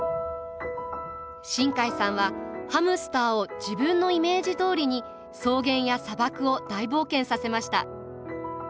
新海さんはハムスターを自分のイメージどおりに草原や砂漠を大冒険させました。